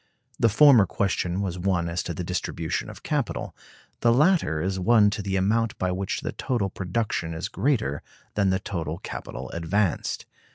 The former question was one as to the distribution of capital; the latter is one as to the amount by which the total production is greater than the total capital advanced.